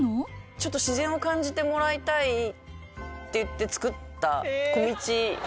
ちょっと自然を感じてもらいたいっていって造った小道。